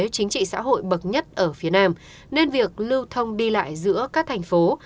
chính trị xã hội bậc nhất ở phía nam nên việc lưu thông đi lại giữa các thành phố